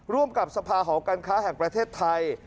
ร่วมกับสภาหอการค้าแห่งประเทศไทย